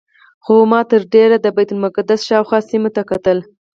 خو ما تر ډېره د بیت المقدس شاوخوا سیمو ته کتل.